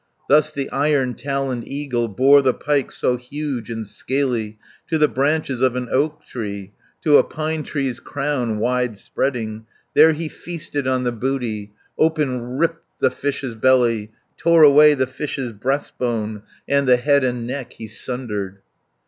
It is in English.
Thus the iron taloned eagle Bore the pike so huge and scaly, 290 To the branches of an oak tree, To a pine tree's crown, wide spreading. There he feasted on the booty, Open ripped the fish's belly, Tore away the fish's breastbone, And the head and neck he sundered.